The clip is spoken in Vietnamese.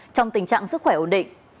trong tình trạng sức khỏe ổn định